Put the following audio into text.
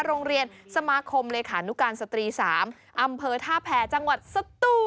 โรงเรียนสมาคมเลขานุการสตรี๓อำเภอท่าแผ่จังหวัดสตู